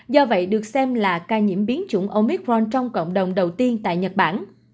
do vậy được xem là ca nhiễm biến chủng omicron trong cộng đồng đầu tiên tại nhật bản